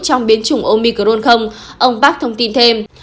trong biến chủng omicron không ông park thông tin thêm